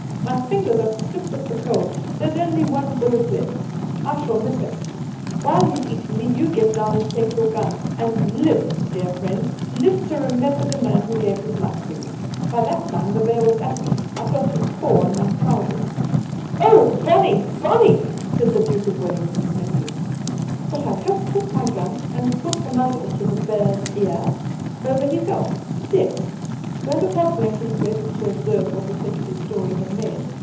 My fingers are stiff with the cold; there is only one bullet left. I shall miss him. While he is eating me you get down and take your gun; and live, dear friend, live to remember the man who gave his life for you!' By that time the bear was at me. I felt his paw on my trousers. "'Oh, Bonnie! Bonnie!' said the Duke of Wellington's nephew. But I just took my gun and put the muzzle to the bear's ear over he fell dead!" Bonaparte Blenkins waited to observe what effect his story had made.